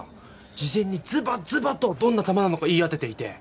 事前にずばずばとどんな球なのか言い当てていて。